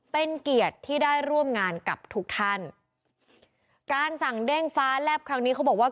เป็นเกียรติที่ได้ร่วมงานกับทุกท่านการสั่งเด้งฟ้าแลบครั้งนี้เขาบอกว่า